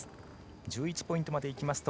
１１ポイントまでいきますと